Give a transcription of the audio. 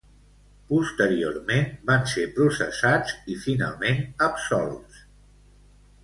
Posteriorment van ser processats i finalment absolts.